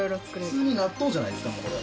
普通に納豆じゃないですかもうこれ。